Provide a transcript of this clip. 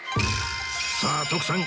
さあ徳さん